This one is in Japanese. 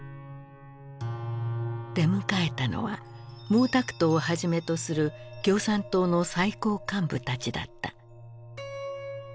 出迎えたのは毛沢東をはじめとする共産党の最高幹部たちだった。